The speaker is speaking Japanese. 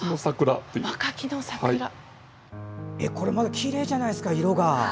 きれいじゃないですか色が。